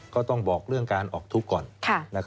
ก็ต้องบอกเรื่องการออกทุกข์ก่อน